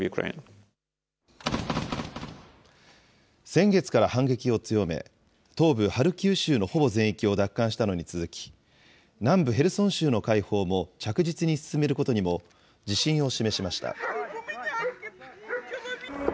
先月から反撃を強め、東部ハルキウ州のほぼ全域を奪還したのに続き、南部ヘルソン州の解放も着実に進めることにも、自信を示しました。